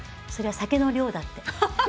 それは酒の量だって。